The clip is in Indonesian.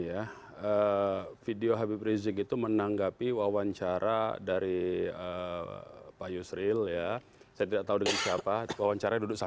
ada apa yang diperlukan